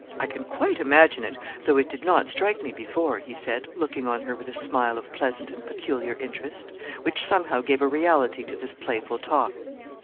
'I can quite imagine it, though it did not strike me before,' he said, looking on her with a smile of pleasant and peculiar interest, which somehow gave a reality to this playful talk.